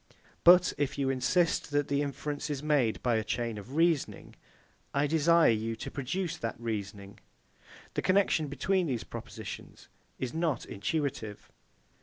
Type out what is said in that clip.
But if you insist that the inference is made by a chain of reasoning, I desire you to produce that reasoning. The connexion between these propositions is not intuitive.